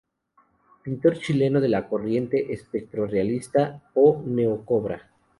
Pintor chileno de la corriente espectro-realista o neo-Cobra.